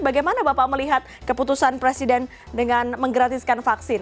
bagaimana bapak melihat keputusan presiden dengan menggratiskan vaksin